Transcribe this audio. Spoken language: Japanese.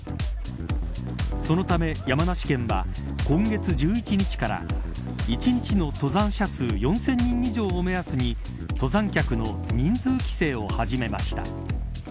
そのため山梨県は今月１１日から１日の登山者数４０００人以上を目安に登山客の人数規制を始めました。